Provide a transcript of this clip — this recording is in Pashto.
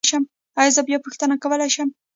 ایا زه بیا پوښتنه کولی شم؟